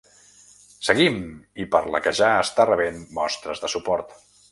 Seguim! i per la que ja està rebent mostres de suport.